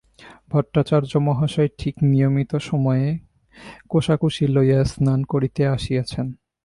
ভট্টাচার্য মহাশয় ঠিক নিয়মিত সময়ে কোশাকুশি লইয়া স্নান করিতে আসিয়াছেন।